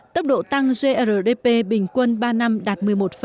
tốc độ tăng grdp bình quân ba năm đạt một mươi một hai mươi bảy